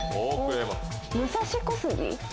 武蔵小杉。